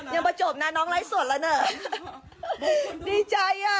ยังไม่จบนะน้องอะไรสวนแล้วเนอะ